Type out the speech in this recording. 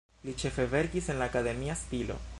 Li ĉefe verkis en la akademia stilo.